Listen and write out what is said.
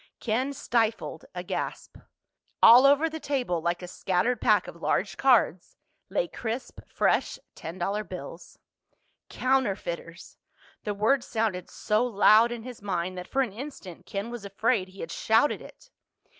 Ken stifled a gasp. All over the table, like a scattered pack of large cards, lay crisp fresh ten dollar bills. Counterfeiters! The word sounded so loud in his mind that for an instant Ken was afraid he had shouted it.